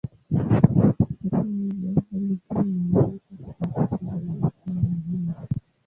Hata hivyo, hali hii inaaminika kuwa tatizo la mfumo wa neva.